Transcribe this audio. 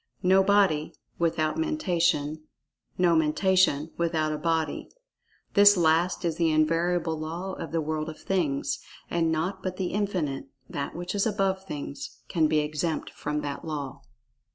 No body, without Mentation; no Mentation without a body. This last is the invariable law of the world of Things. And naught but The Infinite—That which is above Things—can be exempt from that law.